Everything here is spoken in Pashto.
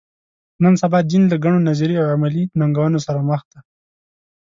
نن سبا دین له ګڼو نظري او عملي ننګونو سره مخ دی.